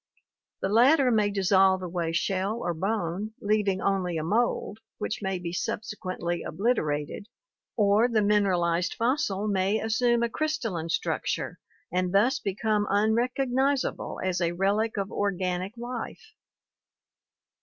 The latter may dissolve away shell or bone, leav ing only a mould which may be subsequently obliterated, or the mineralized fossil may assume a crystalline structure and thus become unrecognizable as a relic of organic life.